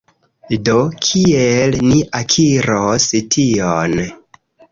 Do, kiel ni akiros tion